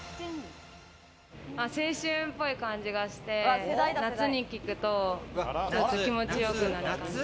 青春っぽい感じがして、夏に聴くと気持ちよくなる。